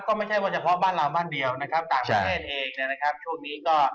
ก็ไม่ใช่แปบเท่าว่าบ้านเราบ้านเตียวนะครับบางเมืองที่